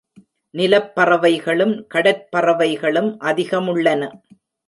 நிலப் பறவைகளும் கடற் பறவைகளும் அதிகமுள்ளன.